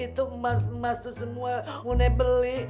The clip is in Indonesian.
itu emas emas tuh semua mune beli